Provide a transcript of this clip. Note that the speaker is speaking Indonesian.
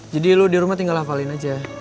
jadi lo dirumah tinggal hafalin aja